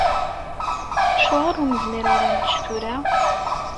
Acuɣer ur nezmir ara ad nečč tura?